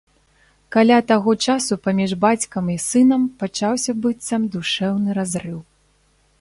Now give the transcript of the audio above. Каля таго часу паміж бацькам і сынам пачаўся быццам душэўны разрыў.